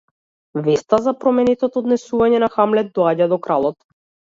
Веста за променетото однесување на Хамлет доаѓа до кралот.